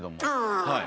ああ。